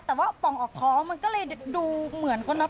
แต่ว่าป่องออกท้องมันก็เลยดูเหมือนคนเรา